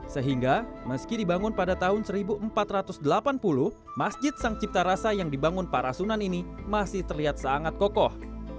sehingga meski dibangun pada tahun seribu empat ratus delapan puluh masjid sang cipta rasa yang dibangun para sunan ini masih terlihat sangat kokoh